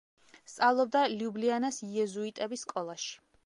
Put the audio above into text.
სწავლობდა ლიუბლიანის იეზუიტების სკოლაში.